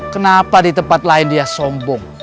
kenapa di tempat lain dia sombong